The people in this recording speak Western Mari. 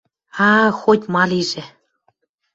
А-а, хоть-ма лижӹ!